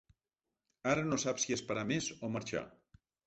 Ara no sap si esperar més o marxar.